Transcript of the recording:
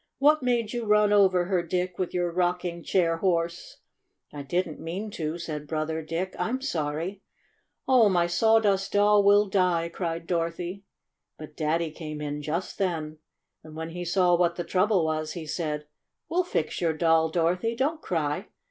6 6 What made you run over her, Dick, with your rocking chair horse?" "I — I didn't mean to," said Brother Dick. "I'm sorry !'' "Ch, my Sawdust Doll will die!" cried Dorothy. But Daddy came in just then, and when he saw what the trouble was he said : "We'll fix your doll, Dorothy. Don't cry.